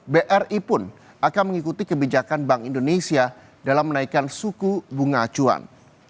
bri pun akan mengikuti kebijakan bank indonesia dalam menaikkan suku bunga acuan